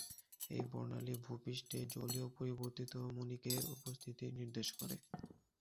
এই বর্ণালি ভূ-পৃষ্ঠে জলীয় পরিবর্তিত মণিকের উপস্থিতি নির্দেশ করে।